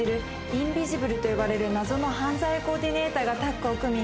インビジブルと呼ばれる謎の犯罪コーディネーターがタッグを組み